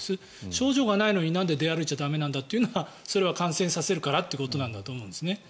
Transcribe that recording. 症状がないのになんで出歩いちゃ駄目なのかはそれは感染させるからってことなんだと思うんです。